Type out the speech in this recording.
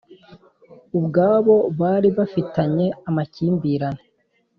ubwabo bari bafitanye amakimbirane